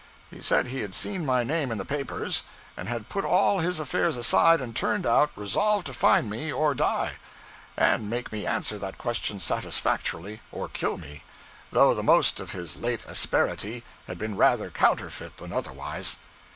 He said he had seen my name in the papers, and had put all his affairs aside and turned out, resolved to find me or die; and make me answer that question satisfactorily, or kill me; though the most of his late asperity had been rather counterfeit than otherwise.